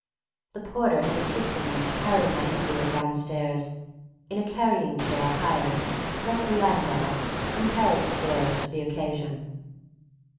The porter had assisted me to carry my invalid downstairs, in a carrying chair hired (like the landau) from Harrod's Stores for the occasion.